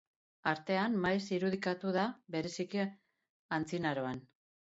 Artean maiz irudikatu da, bereziki Antzinaroan.